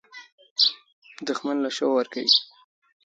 دښمن له شا وار کوي